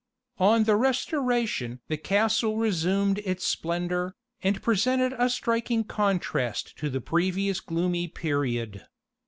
ON the Restoration the castle resumed its splendour, and presented a striking contrast to the previous gloomy period.